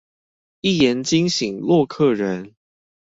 一言驚醒洛克人